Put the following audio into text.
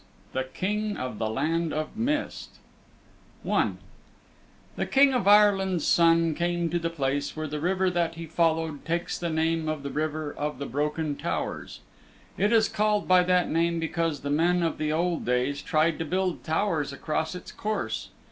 THE KING OF THE LAND OF MIST I The King of Ireland's Son came to the place where the river that he followed takes the name of the River of the Broken Towers. It is called by that name because the men of the old days tried to build towers across its course.